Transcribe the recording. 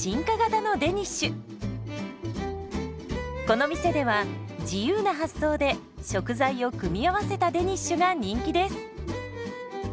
この店では自由な発想で食材を組み合わせたデニッシュが人気です。